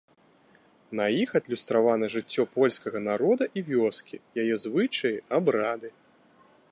На іх адлюстравана жыццё польскага народа і вёскі, яе звычаі, абрады.